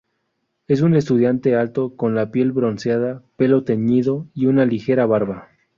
Es un estudiante alto, con la piel bronceada, pelo teñido y una ligera barba.